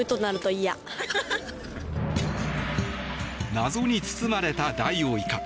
謎に包まれたダイオウイカ。